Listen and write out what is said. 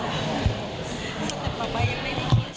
ต่อไปยังไม่ได้มีค่ะ